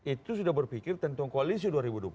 itu sudah berpikir tentang koalisi dua ribu dua puluh empat